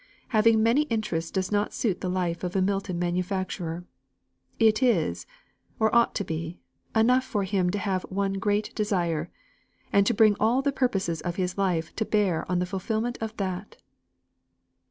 Having many interests does not suit the life of a Milton manufacturer. It is or ought to be enough for him to have one great desire, and to bring all the purposes of his life to bear on the fulfilment of that."